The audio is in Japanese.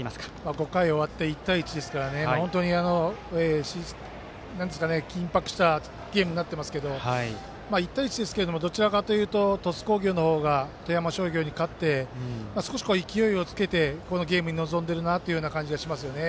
５回終わって１対１ですから、本当に緊迫したゲームになってますけど１対１ですけどどちらかというと鳥栖工業の方が富山商業に勝って少し勢いをつけてこのゲームに臨んでいるなという感じがしますね。